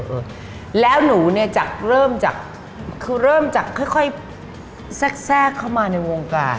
อ๋อเออแล้วหนูเนี่ยเริ่มจากค่อยแทรกเข้ามาในวงการ